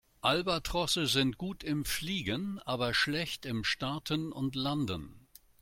Albatrosse sind gut im Fliegen, aber schlecht im Starten und Landen.